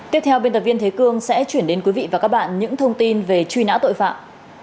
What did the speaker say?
tiếp theo biên tập viên thế cương sẽ chuyển đến quý vị và các bạn những thông tin về truy nã tội phạm